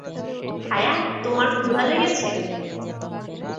ভায়া, তোমার ক্ষুধা লেগেছে?